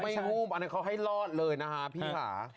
ไม่หุ้มอันนี้เขาให้รอดเลยนะคะพี่ค่ะ